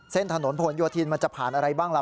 ถนนผลโยธินมันจะผ่านอะไรบ้างล่ะ